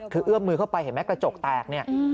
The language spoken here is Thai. เธอเอื้อมมือเข้าไปเห็นไหมกระจกแตก